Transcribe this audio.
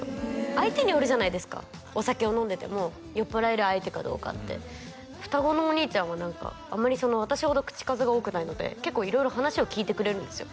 相手によるじゃないですかお酒を飲んでても酔っぱらえる相手かどうかって双子のお兄ちゃんはあんまり私ほど口数が多くないので結構色々話を聞いてくれるんですよ